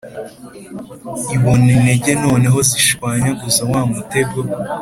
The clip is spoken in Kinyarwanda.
ibona intege noneho zishwanyaguza wa mutego,